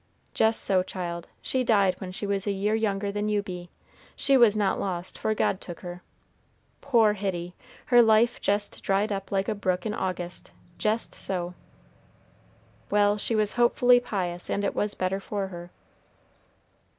"Jes' so, child, she died when she was a year younger than you be; she was not lost, for God took her. Poor Hitty! her life jest dried up like a brook in August, jest so. Well, she was hopefully pious, and it was better for her."